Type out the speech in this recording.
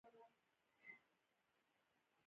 په جماعت کي پنجابی دی ، په سنګسار کي عربی دی